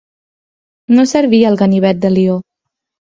No servia al gabinet de Lió.